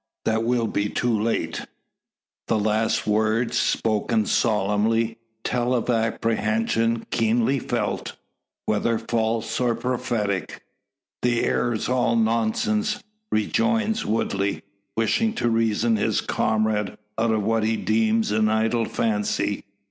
"That we'll be too late." The last words, spoken solemnly, tell of apprehension keenly felt whether false, or prophetic. "That air's all nonsense," rejoins Woodley, wishing to reason his comrade out of what he deems an idle fancy.